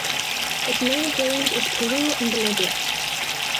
Its native range is Peru and Bolivia.